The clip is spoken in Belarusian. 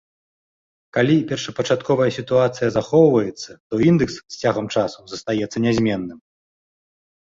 Калі першапачатковая сітуацыя захоўваецца, то індэкс з цягам часу застаецца нязменным.